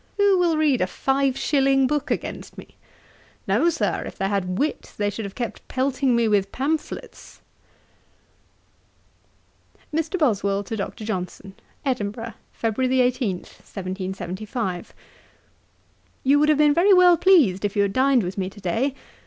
Who will read a five shilling book against me? No, Sir, if they had wit, they should have kept pelting me with pamphlets.' 'MR. BOSWELL TO DR. JOHNSON. 'Edinburgh, Feb. 18, 1775. 'You would have been very well pleased if you had dined with me to day.